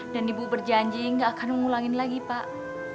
dan ibu berjanji gak akan mengulangin lagi pak